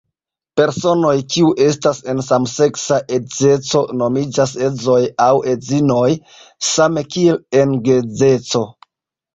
Personoj kiu estas en samseksa edzeco nomiĝas edzoj aŭ edzinoj, same kiel en geedzeco.